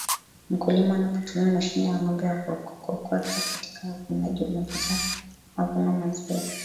mkulima anapotumia mashine ya ngombe ya kukokotwa katika uvunaji anapata mavuno mazuri